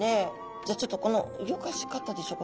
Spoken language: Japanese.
じゃあちょっとこのうギョかし方でしょうか。